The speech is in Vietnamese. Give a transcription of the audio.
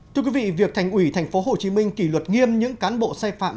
thưa quý vị việc thành ủy thành phố hồ chí minh kỳ luật nghiêm những cán bộ sai phạm